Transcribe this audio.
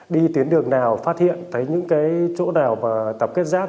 đi tiến đường nào phát hiện thấy những chỗ nào tập kết rác